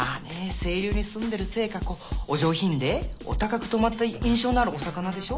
清流に棲んでるせいかお上品でお高くとまった印象のあるお魚でしょ？